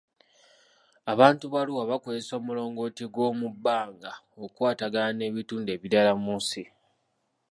Abantu ba Arua baakozesa omulongooti gw'omubbanga okukwatagana n'ebitundu ebirala mu nsi.